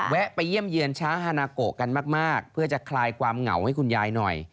ไปเยี่ยมเยี่ยนช้างฮานาโกะกันมากเพื่อจะคลายความเหงาให้คุณยายหน่อย